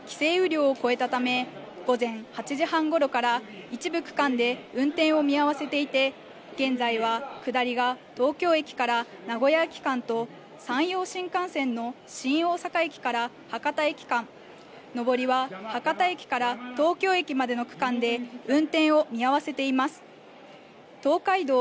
雨量を超えたため、午前８時半ごろから一部区間で運転を見合わせていて、現在は下りが東京駅から名古屋駅間と山陽新幹線の新大阪駅から博多駅間、上りは博多駅から東京駅までの区間で運転を見合わせています。